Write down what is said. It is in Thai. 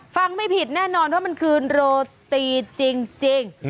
ไม่ผิดแน่นอนว่ามันคือโรตีจริง